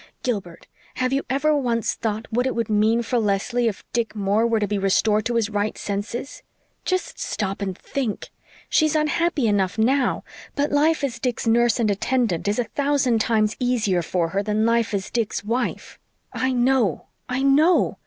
Gilbert, have you ever once thought what it would mean for Leslie if Dick Moore were to be restored to his right senses? Just stop and think! She's unhappy enough now; but life as Dick's nurse and attendant is a thousand times easier for her than life as Dick's wife. I know I KNOW!